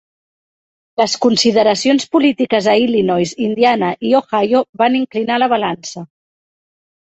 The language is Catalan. Les consideracions polítiques a Illinois, Indiana i Ohio van inclinar la balança.